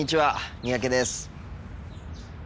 三宅です。